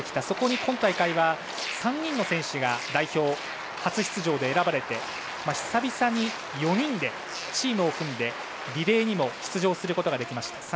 そこに今大会は３人の選手が代表に初出場で選ばれて久々に４人でチームを組んでリレーにも出場することができました。